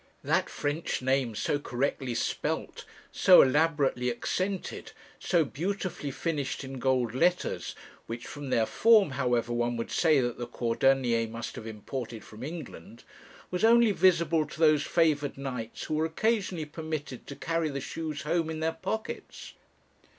That French name so correctly spelt, so elaborately accented, so beautifully finished in gold letters, which from their form, however, one would say that the cordonnier must have imported from England, was only visible to those favoured knights who were occasionally permitted to carry the shoes home in their pockets.